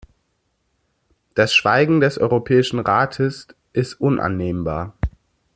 Das Schweigen des Europäischen Rates ist unannehmbar.